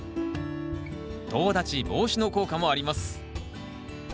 とう立ち防止の効果もあります。